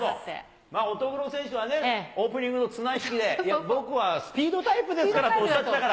乙黒選手はね、オープニングの綱引きで、僕はスピードタイプだっておっしゃったから。